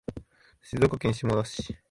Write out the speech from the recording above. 静岡県下田市